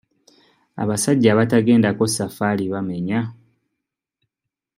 Abasajja abatagendako safaali bamenya.